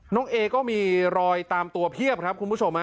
น้องเอ็ยก็มีรอยตามตัวเปรียบครับคุณผู้ชม